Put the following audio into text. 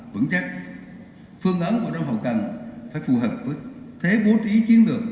vững chắc phương án của trong hậu cần phải phù hợp với thế bố trí chiến lược